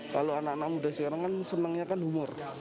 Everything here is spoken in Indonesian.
kalau anak anak muda sekarang kan senangnya kan humor